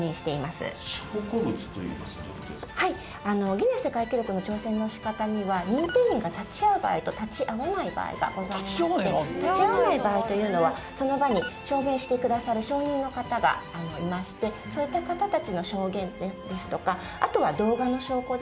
ギネス世界記録の挑戦のしかたには認定員が立ち会う場合と立ち会わない場合がございまして立ち会わない場合というのはその場に証明してくださる証人の方がいましてそういった方たちの証言ですとかあとは動画の証拠ですね。